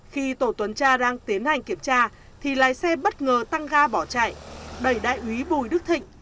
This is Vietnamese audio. khi tổ tuần tra đang tiến hành kiểm tra thì lái xe bất ngờ tăng ga bỏ chạy đẩy đại úy bùi đức thịnh